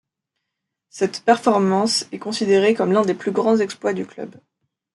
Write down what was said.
Cette performance est considérée comme l'un des plus grands exploits du club.